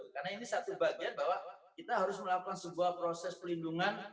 karena ini satu bagian bahwa kita harus melakukan sebuah proses perlindungan